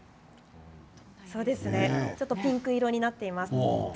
ちょっとピンク色になっています。